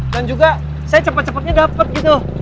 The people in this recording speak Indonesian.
dan juga saya cepet cepetnya dapet gitu